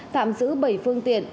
tạm giữ bảy phương tiện